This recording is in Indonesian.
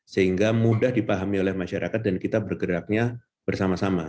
sehingga mudah dipahami oleh masyarakat dan kita bergeraknya bersama sama